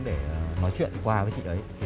để nói chuyện qua với chị ấy